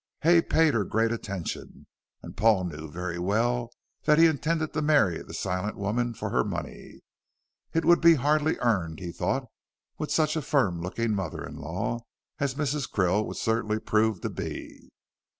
Hay paid her great attention, and Paul knew very well that he intended to marry the silent woman for her money. It would be hardly earned he thought, with such a firm looking mother in law as Mrs. Krill would certainly prove to be.